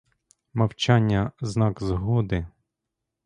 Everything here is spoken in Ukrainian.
Мовчання — знак згоди.